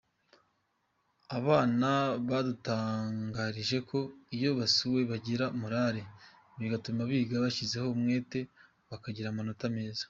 Abana badutangarije ko iyo basuwe bagira morale bigatuma biga bashyizeho umwete bakagira amanota meza.